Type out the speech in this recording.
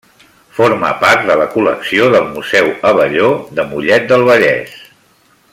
Forma part de la col·lecció del Museu Abelló de Mollet del Vallès.